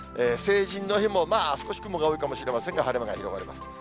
成人の日もまあ、少し雲が多いかもしれませんが、晴れ間が広がります。